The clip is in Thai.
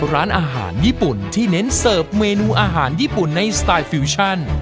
ร้านอาหารญี่ปุ่นที่เน้นเสิร์ฟเมนูอาหารญี่ปุ่นในสไตล์ฟิวชั่น